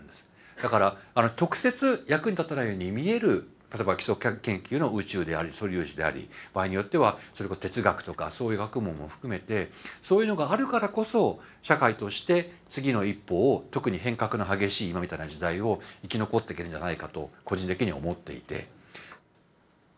だから直接役に立たないように見える例えば基礎研究の宇宙であり素粒子であり場合によってはそれこそ哲学とかそういう学問も含めてそういうのがあるからこそ社会として次の一歩を特に変革の激しい今みたいな時代を生き残っていけるんじゃないかと個人的には思っていて。